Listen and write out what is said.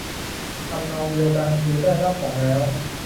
ทำนองเดียวกันคือ ได้รับของแล้ว